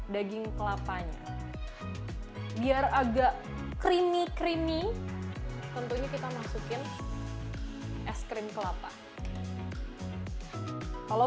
daging kelapanya biar agak creamy creamy tentunya kita masukin es krim kelapa kalau